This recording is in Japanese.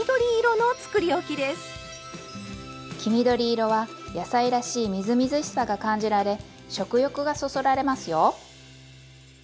黄緑色は野菜らしいみずみずしさが感じられ食欲がそそられますよ！